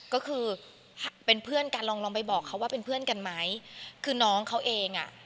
ก็คือเป็นเพื่อนกันลองลองไปบอกเขาว่าเป็นเพื่อนกันไหมคือน้องเขาเองอ่ะ